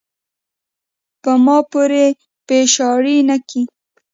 پۀ ما پورې پیشاړې نۀ کے ،